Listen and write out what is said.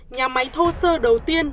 nhà máy thô sơ đầu tiên